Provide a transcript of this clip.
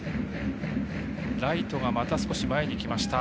ライトがまた少し前にきました